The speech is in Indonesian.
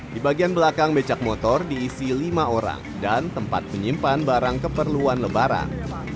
di bagian belakang becak motor diisi lima orang dan tempat menyimpan barang keperluan lebaran